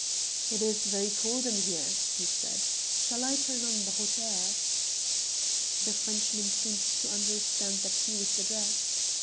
"It is very cold in here," he said. "Shall I turn on the hot air?" The Frenchman seemed to understand that he was addressed.